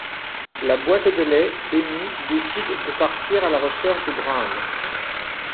La boîte de lait, émue, décide de partir à la recherche de Graham.